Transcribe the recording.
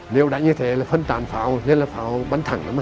nên là pháo bắn thẳng đó mà